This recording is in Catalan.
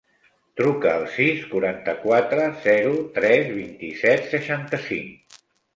Truca al sis, quaranta-quatre, zero, tres, vint-i-set, seixanta-cinc.